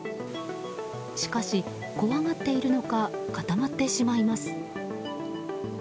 しかし怖がっているのか固まってしまいます。